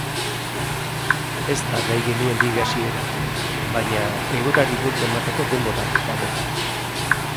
Ez da nahi genuen liga hasiera, baina egoerari buelta emateko denbora dago.